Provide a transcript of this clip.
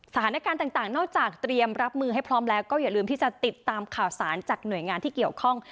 สถานการณ์ต่างนอกจากเตรียมรับมือให้พร้อมแล้วก็อย่าลืมที่จะติดตามข่าวสารจากหน่วยงานที่เกี่ยวข้อง